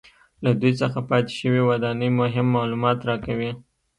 له دوی څخه پاتې شوې ودانۍ مهم معلومات راکوي